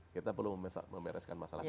kita perlu memereskan masalah